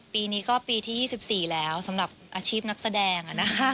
ปีนี้ก็ปีที่๒๔แล้วสำหรับอาชีพนักแสดง